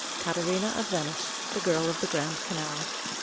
CATARINA OF VENICE: THE GIRL OF THE GRAND CANAL.